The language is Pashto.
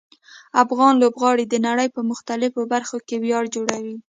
افغان لوبغاړي د نړۍ په مختلفو برخو کې ویاړ جوړوي.